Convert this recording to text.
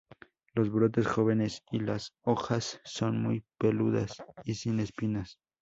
Los brotes jóvenes y las hojas son muy peludos y sin espinas.